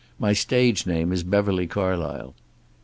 My stage name is Beverly Carlysle."